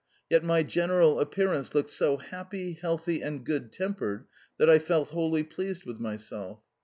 Yet my general appearance looked so happy, healthy, and good tempered that I felt wholly pleased with myself.